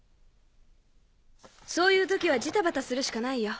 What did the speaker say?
そういう時はジタバタするしかないよ。